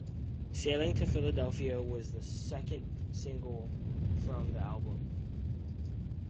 "Sailing to Philadelphia" was the second single from the album.